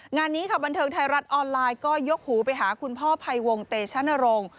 งานนี้ค่ะบันเทิงไทยรัฐออนไลน์ก็ยกหูไปหาคุณพ่อภัยวงเตชนรงค์